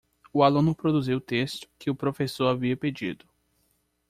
O aluno produziu o texto que o professor havia pedido.